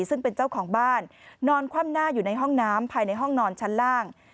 ซึ่งเป็นเจ้าของบ้านนอนคว่ำหน้าอยู่ในห้องน้ำภายในห้องนอนชั้นล่าง